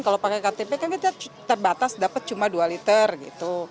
kalau pakai ktp kan kita terbatas dapat cuma dua liter gitu